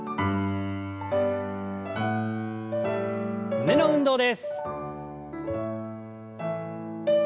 胸の運動です。